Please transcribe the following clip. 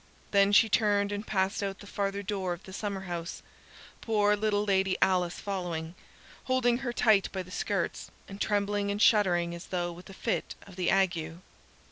Then she turned and passed out the farther door of the summerhouse, poor little Lady Alice following, holding her tight by the skirts, and trembling and shuddering as though with a fit of the ague.